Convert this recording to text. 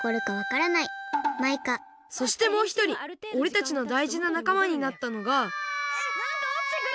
そしてもうひとりおれたちのだいじななかまになったのがえっなんかおちてくる。